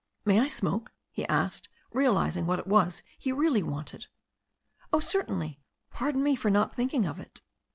"May I smoke?" he asked, realizing what it was he really wanted. "Oh, certainly. Pardon me for not thinking of it."